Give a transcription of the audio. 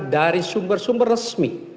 dari sumber sumber resmi